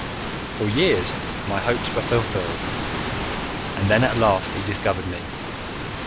"For years my hopes were fulfilled, and then at last he discovered me.